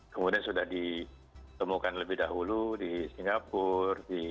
kemudian sudah ditemukan lebih dahulu di singapura